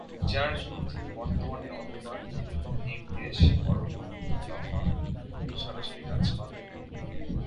যার জন্য তিনি বর্তমানে অনুবাদ এবং নির্দেশ পরবর্তী দফা সরাসরি কাজ করেন।